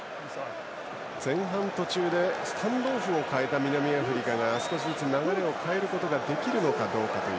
前半途中でスタンドオフを代えた南アフリカが少しずつ流れを変えることができるのかどうか。